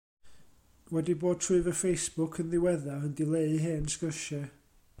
Wedi bod trwy fy Facebook yn ddiweddar yn dileu hen sgyrsiau.